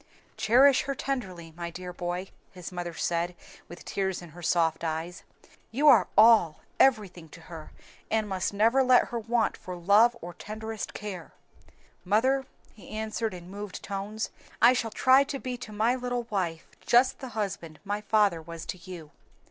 "Cherish her tenderly, my dear boy," his mother said, with tears in her soft eyes, "you are all, everything to her, and must never let her want for love or tenderest care." "Mother," he answered in moved tones, "I shall try to be to my little wife just the husband my father was to you."